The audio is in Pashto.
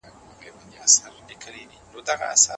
سړکونه ټول پاخه نه دي.